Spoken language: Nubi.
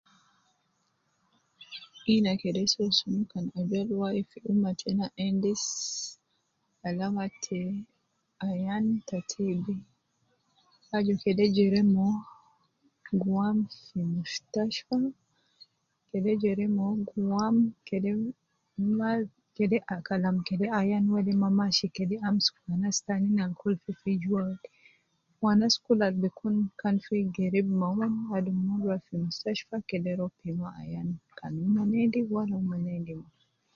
Ina kede soo sun kan azol wai fin umma tena endis alama te ayan te TB,aju kede jere mo gwam fi mustashtfa ,kede jere Mo gwam kede ma, kede ah kalam ayan wede kede ma masi kede amsuku anas kul al fifi jua, wu anas kul al bi kun kan fi geri me omon aju mon rua fi mustashtfa kede rua pima ayan, wala mon endi au mon endi ma